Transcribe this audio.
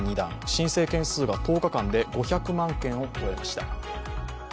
申請件数が１０日間で５００万件を超えました。